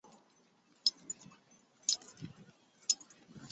萧绎派柳仲礼率军进取襄阳。